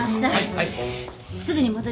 はい。